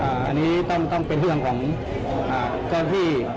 อันนี้ต้องเป็นเรื่องของเจ้าที่